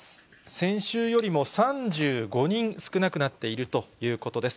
先週よりも３５人少なくなっているということです。